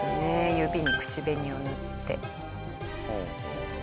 指に口紅を塗って。